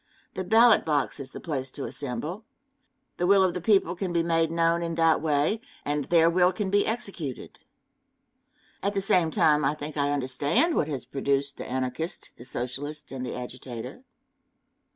The ballot box is the place to assemble. The will of the people can be made known in that way, and their will can be executed. At the same time, I think I understand what has produced the Anarchist, the Socialist, and the agitator.